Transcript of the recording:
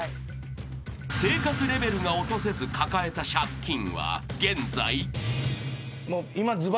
［生活レベルが落とせず抱えた借金は現在］